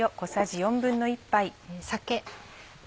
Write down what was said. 酒。